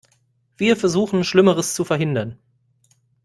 Wir versuchen, Schlimmeres zu verhindern.